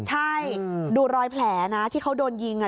ใช่ดูรอยแผลนะที่เขาโดนยิง